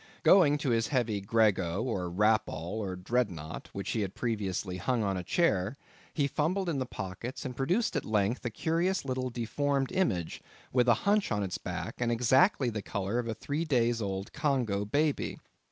Going to his heavy grego, or wrapall, or dreadnaught, which he had previously hung on a chair, he fumbled in the pockets, and produced at length a curious little deformed image with a hunch on its back, and exactly the colour of a three days' old Congo baby.